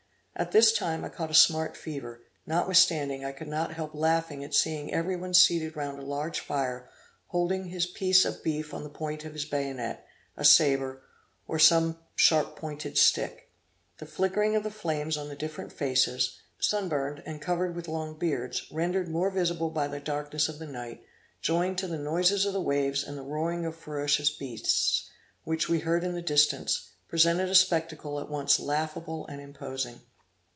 At this time I caught a smart fever; notwithstanding I could not help laughing at seeing every one seated round a large fire holding his piece of beef on the point of his bayonet, a sabre or some sharp pointed stick. The flickering of the flames on the different faces, sun burned and covered with long beards, rendered more visible by the darkness of the night, joined to the noise of the waves and the roaring of ferocious beasts, which we heard in the distance, presented a spectacle at once laughable and imposing.